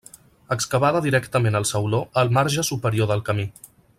Excavada directament al sauló, al marge superior del camí.